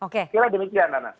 kira demikian nana